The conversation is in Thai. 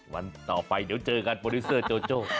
วันต่อไปเดี๋ยวเจอกันโปรดิวเซอร์โจโจ้